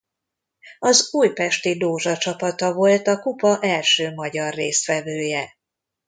Az Újpesti Dózsa csapata volt a kupa első magyar résztvevője.